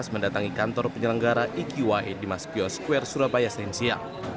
mendatangi kantor penyelenggara iqia di maspio square surabaya senin siang